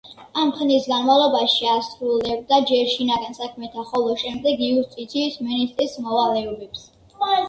ამ ხნის განმავლობაში ასრულებდა ჯერ შინაგან საქმეთა, ხოლო შემდეგ იუსტიციის მინისტრის მოვალეობებს.